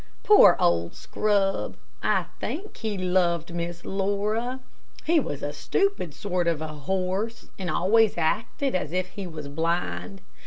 Poor old Scrub! I think he loved Miss Laura. He was a stupid sort of a horse, and always acted as if he was blind.